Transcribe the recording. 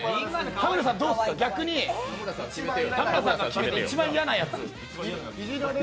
田村さん、どうですか逆に田村さんが一番嫌なやつ。